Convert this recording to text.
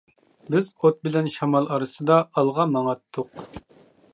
بىز ئوت بىلەن شامال ئارىسىدا ئالغا ماڭاتتۇق.